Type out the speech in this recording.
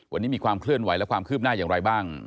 วันนี้มีความเคลื่อนไหวและความคืบหน้าอย่างไรบ้าง